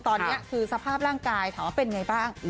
ตอนนี้คือสภาพร่างกายถามว่าเป็นไงบ้าง